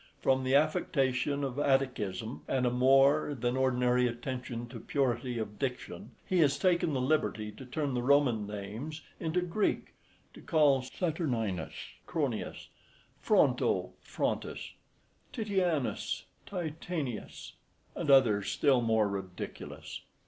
From the affectation of Atticism, and a more than ordinary attention to purity of diction, he has taken the liberty to turn the Roman names into Greek, to call Saturninus, [Greek], Chronius; Fronto, [Greek], Frontis; Titianus, [Greek], Titanius, and others still more ridiculous.